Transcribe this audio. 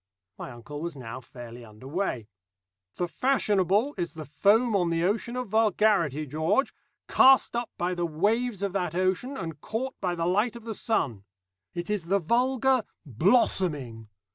My uncle was now fairly under way. "The fashionable is the foam on the ocean of vulgarity, George, cast up by the waves of that ocean, and caught by the light of the sun. It is the vulgar blossoming.